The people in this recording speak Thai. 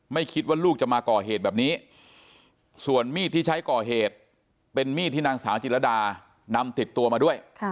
ไม่คิดว่าลูกจะมาก่อเหตุแบบนี้ส่วนมีดที่ใช้ก่อเหตุเป็นมีดที่นางสาวจิรดานำติดตัวมาด้วย